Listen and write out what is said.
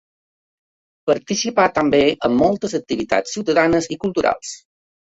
Participà també en moltes activitats ciutadanes i culturals.